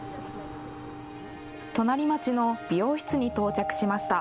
隣町の美容室に到着しました。